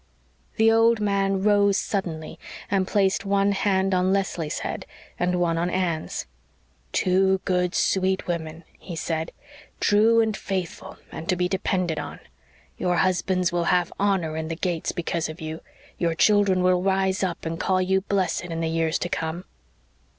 The old man rose suddenly and placed one hand on Leslie's head and one on Anne's. "Two good, sweet women," he said. "True and faithful and to be depended on. Your husbands will have honor in the gates because of you your children will rise up and call you blessed in the years to come."